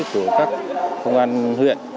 của các công an huyện